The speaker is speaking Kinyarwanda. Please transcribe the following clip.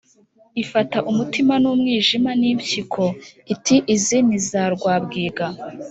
Ifata umutima n umwijima n impyiko iti Izi ni iza Rwabwiga